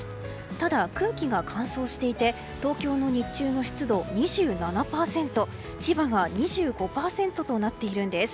ただ、空気が乾燥していて東京の日中の湿度は２７％千葉が２５％となっているんです。